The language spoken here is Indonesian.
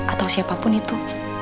atau siapapun itu